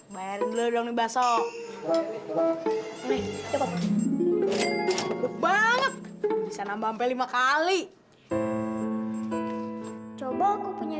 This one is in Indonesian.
bayarin dulu dong nih besok banget bisa nambah sampai lima kali coba aku punya